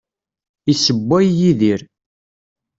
Issewway Yidir.